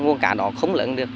nguồn cá đó không lẫn được